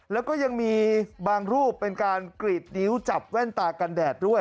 แล้วก็ยังมีบางรูปเป็นการกรีดนิ้วจับแว่นตากันแดดด้วย